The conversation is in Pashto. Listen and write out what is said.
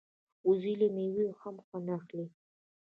وزې له مېوې هم خوند اخلي